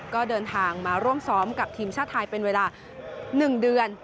ก็เดินทางมาร่วมซ้อมกับทีมชาติไทยเป็นเวลา๑เดือน